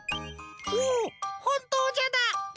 おおっほんとうじゃだ。